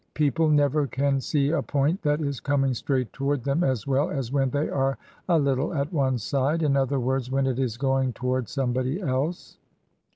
Peo ple never can see a point that is coming straight toward them as well as when they are a little at one side — in other words, when it is going toward somebody else."